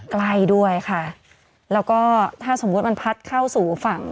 ใกล้ด้วยค่ะแล้วก็ถ้าสมมุติมันพัดเข้าสู่ฝั่ง